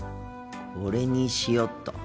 これにしよっと。